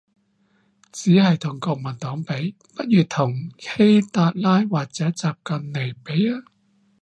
只係同國民黨比？，不如同希特拉或者習維尼比